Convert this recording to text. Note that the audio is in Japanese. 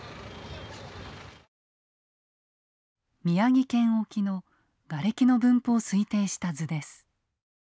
宮城県沖のガレキの分布を推定した図です。